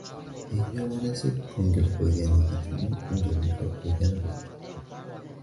Eng yomoni esa ko`ngil qo`ygan yigitimning unga mehri tushgani bo`ldi